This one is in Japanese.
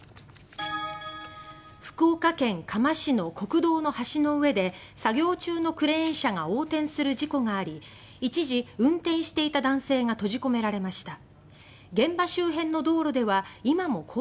福岡県嘉麻市の国道の橋の上で作業中のクレーン車が横転する事故があり一時、運転していた男性が閉じ込められました。